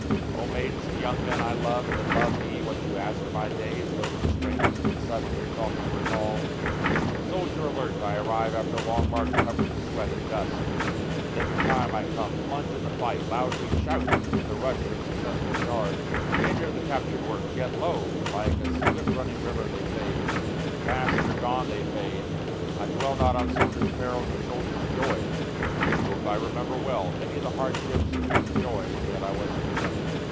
2 O maidens and young men I love and that love me, What you ask of my days those the strangest and sudden your talking recalls, Soldier alert I arrive after a long march coverâd with sweat and dust, In the nick of time I come, plunge in the fight, loudly shout in the rush of successful charge, Enter the capturâd works yet lo, like a swift running river they fade, Pass and are gone they fade I dwell not on soldiersâ perils or soldiersâ joys, (Both I remember well many the hardships, few the joys, yet I was content.)